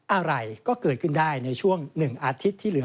อะไรก็เกิดขึ้นได้ในช่วง๑อาทิตย์ที่เหลือ